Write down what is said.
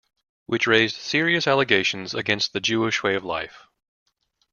Which raised serious allegations against the Jewish way of life.